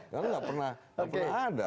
karena gak pernah ada